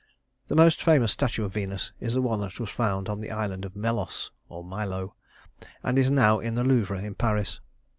The most famous statue of Venus is the one that was found on the island of Melos (Milo), and is now in the Louvre, in Paris.